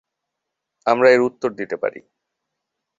আমরা এর উত্তর দিতে পারি।